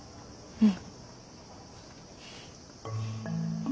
うん。